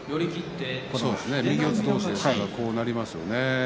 右四つ同士ですからこのようになりますね。